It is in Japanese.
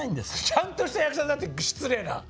ちゃんとした役者さんって失礼な！